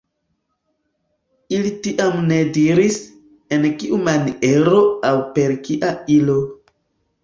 Ili tiam ne diris, en kiu maniero aŭ per kia ilo.